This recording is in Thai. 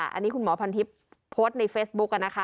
อันนี้คุณหมอพันทิพย์โพสต์ในเฟซบุ๊กนะคะ